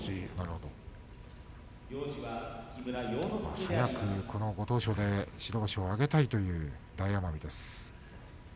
早くご当所で白星を挙げたい大奄美です。